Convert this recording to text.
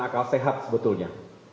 akal sehat sebetulnya